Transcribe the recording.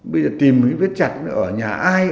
bây giờ tìm cái viết chặt nó ở nhà ai